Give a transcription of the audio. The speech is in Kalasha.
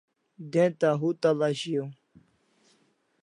De'nta hutala shiaw